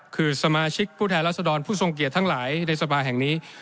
คือสมาชิกผู้แทนรัศดรผู้ทรงเกียจทั้งหลายในสภาแห่งนี้